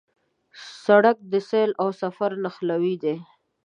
سړک د سیل او سفر نښلوی دی.